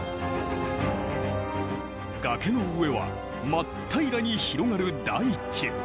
崖の上は真っ平らに広がる大地。